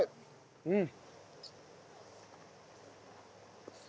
うん！